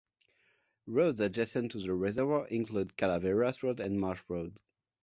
Roads adjacent to the reservoir include Calaveras Road and Marsh Road.